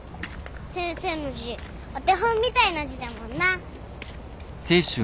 先生の字お手本みたいな字だもんな。